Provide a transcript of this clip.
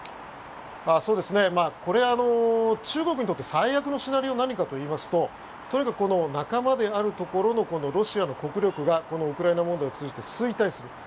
これは中国にとって最悪のシナリオは何かといいますととにかく仲間であるところのロシアの国力がウクライナ問題を通じて衰退する。